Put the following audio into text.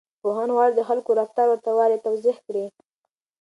پوهان غواړي د خلکو د رفتار ورته والی توضيح کړي.